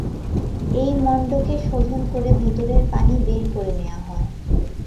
এই মণ্ডকে শোধন করে ভেতরের পানি বের করে নেওয়া হয়।